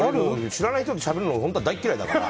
知らない人としゃべるの大嫌いだから。